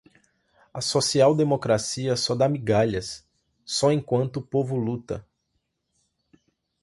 A social-democracia só dá migalhas, só enquanto o povo luta